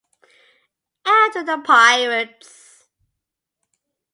After The Pirates!